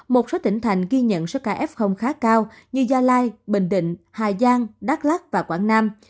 một số tỉnh thành ghi nhận số ca f khá cao như gia lai bình định hà giang đắk lắc và quảng nam